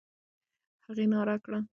هغې ناره وکړه.